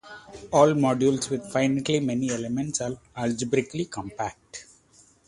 All modules with finitely many elements are algebraically compact.